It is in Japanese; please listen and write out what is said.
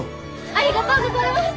ありがとうございます！